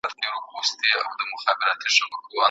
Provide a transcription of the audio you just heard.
ادبیات د انسان احساسات بیانوي.